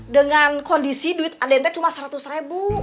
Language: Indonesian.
dengan kondisi duit aden itu cuma seratus ribu